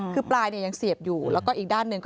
คือปลายแยงเสียบอยู่ท่านอีกด้านหนึ่ง